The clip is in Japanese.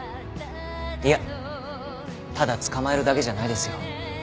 いやただ捕まえるだけじゃないですよ。